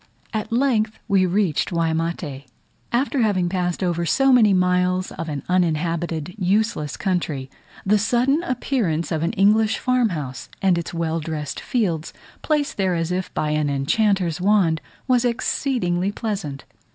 At length we reached Waimate. After having passed over so many miles of an uninhabited useless country, the sudden appearance of an English farm house, and its well dressed fields, placed there as if by an enchanter's wand, was exceedingly pleasant.